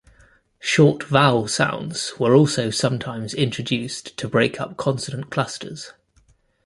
Short vowel sounds were also sometimes introduced to break up consonant clusters.